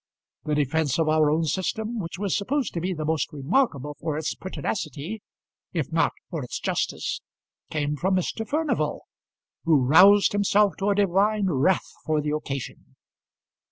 The defence of our own system, which was supposed to be the most remarkable for its pertinacity, if not for its justice, came from Mr. Furnival, who roused himself to a divine wrath for the occasion.